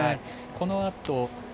このあと